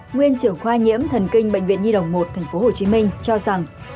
nguyên trưởng khoa nhiễm thần kinh bệnh viện nhi đồng một tp hcm cho rằng